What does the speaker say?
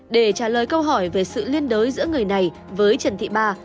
để trả lời câu hỏi về sự liên đối giữa người này với trần thị ba